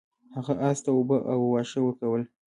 هغه اس ته اوبه او واښه ورکول.